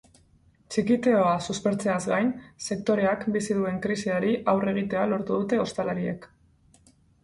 Txikiteoa suspertzeaz gain, sektoreak bizi duen krisiari aurre egitea lortu dute ostalariek.